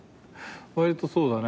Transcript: わりとそうだね。